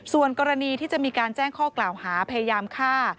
ส่วนกรณีที่จะมีการแจ้งข้อกล่าวหาพยายามฆ่า